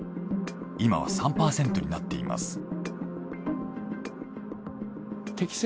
今は３％になっています。